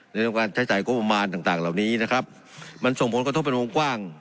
ในโดยการใช้จ่ายกรมมาลต่างต่างเหล่านี้นะครับมันส่งผลกระทบเป็นมุมกว้าง